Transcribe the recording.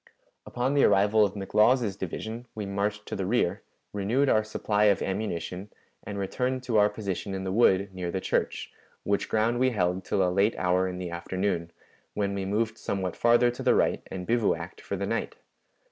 Upon the arrival of McLaws's division we marched to the rear, renewed our supply of ammunition, and returned to our position in the wood near the church, which ground we held till a late hour in the afternoon, when we moved somewhat farther to the right and bivouacked for the night.